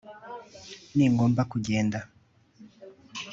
ningomba kugenda